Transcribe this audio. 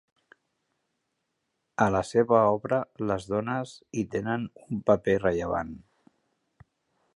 A la seva obra, les dones hi tenen un paper rellevant.